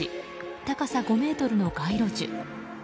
高さ５ｍの街路樹。